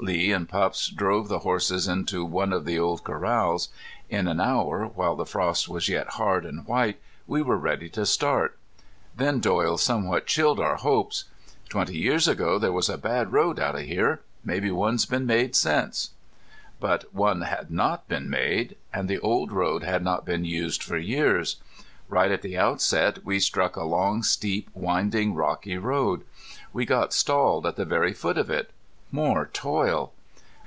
Lee and Pups drove the horses into one of the old corrals. In an hour, while the frost was yet hard and white, we were ready to start. Then Doyle somewhat chilled our hopes: "Twenty years ago there was a bad road out of here. Maybe one's been made since." But one had not been made. And the old road had not been used for years. Right at the outset we struck a long, steep, winding, rocky road. We got stalled at the very foot of it. More toil!